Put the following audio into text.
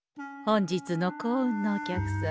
本日の幸運のお客様。